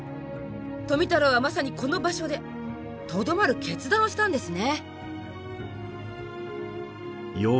富太郎はまさにこの場所でとどまる決断をしたんですね。